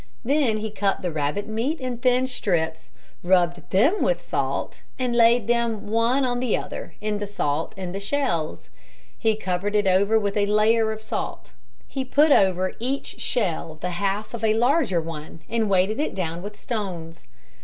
Then he cut the rabbit meat in thin strips, rubbed them with salt, and laid them one on the other in the salt in the shells. He covered it over with a layer of salt. He put over each shell the half of a larger one and weighted it down with stones.